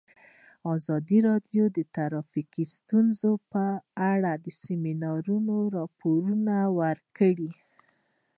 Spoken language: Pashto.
ازادي راډیو د ټرافیکي ستونزې په اړه د سیمینارونو راپورونه ورکړي.